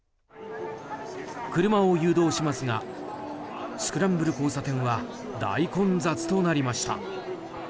車を誘導しますがスクランブル交差点は大混雑となりました。